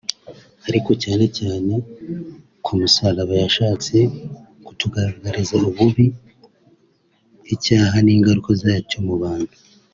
Ariko cyane cyane ku musalaba yashatse kutugaragariza ububi bw’icyaha n’ingaruka zacyo mu bantu